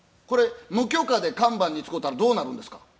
これ無許可で看板に使たらどうなるんですか？